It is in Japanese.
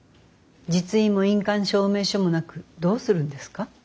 実印も印鑑証明書もなくどうするんですか？